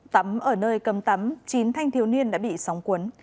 tắm ở nơi cấm tắm chín thanh thiếu niên đã bị sóng cuốn